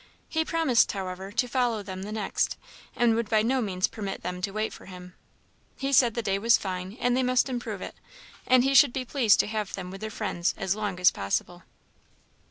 He promised, however, to follow them the next, and would by no means permit them to wait for him. He said the day was fine, and they must improve it; and he should be pleased to have them with their friends as long as possible.